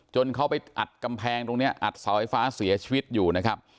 เขาไปอัดกำแพงตรงนี้อัดเสาไฟฟ้าเสียชีวิตอยู่นะครับ